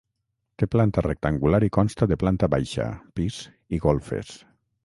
Té planta rectangular i consta de planta baixa, pis i golfes.